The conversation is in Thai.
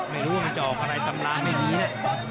ไม่รู้ว่ามันจะออกอะไรตำราไม่มี